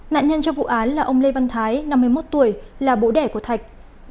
nạn nhân trong vụ án là ông lê văn thái năm mươi một tuổi là bố đẻ của thạch